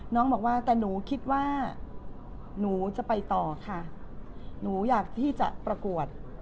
น้องบอกว่าแต่หนูคิดว่าหนูจะไปต่อค่ะหนูอยากที่จะประกวด